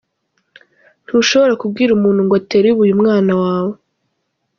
Ntushobora kubwira umuntu ngo atere ibuye umwana wawe.”